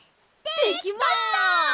できました！